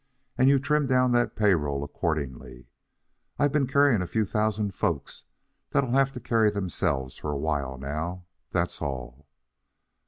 And you trim down that pay roll accordingly. I've been carrying a few thousand folks that'll have to carry themselves for a while now, that's all."